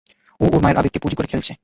ও ওর মায়ের আবেগকে পুঁজি করে খেলছে।